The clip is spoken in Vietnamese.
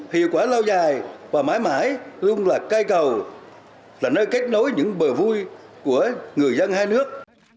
hiệu quả lâu dài và mãi mãi luôn là cây cầu là nơi kết nối những bờ vui của người dân hai nước